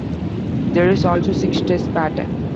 There is also six-stress pattern.